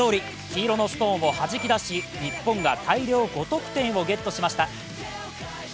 黄色のストーンをはじき出し、日本が大量５得点をゲットしました。